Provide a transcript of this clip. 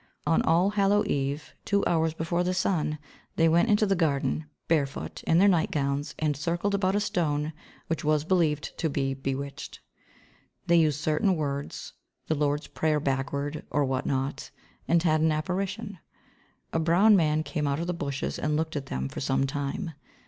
On All Hallow Eve, two hours before the sun, they went into the garden, barefoot, in their nightgowns and circled about a stone which was believed to be bewitched. They used certain words, the Lord's prayer backward or what not, and had an apparition. A brown man came out of the bushes and looked at them for some time.